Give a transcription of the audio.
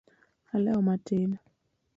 alewo matin